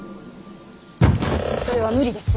それは無理です。